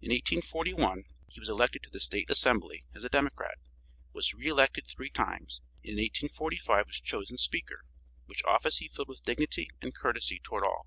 In 1841 he was elected to the State Assembly as a Democrat, was re elected three times, and in 1845 was chosen speaker, which office he filled with dignity and courtesy toward all.